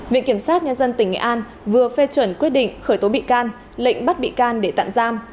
viện kiểm sát nhân dân tỉnh nghệ an vừa phê chuẩn quyết định khởi tố bị can lệnh bắt bị can để tạm giam